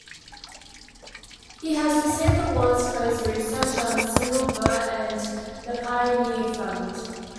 He has received awards for his research on Cyril Burt and the Pioneer Fund.